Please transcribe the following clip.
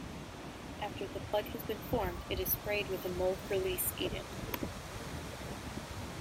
After the plug has been formed, it is sprayed with a mold release agent.